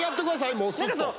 もうスッと。